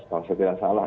kalau saya tidak salah